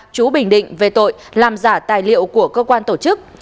chú bình định về tội làm giả tài liệu của cơ quan tổ chức